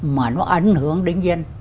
mà nó ảnh hưởng đến doanh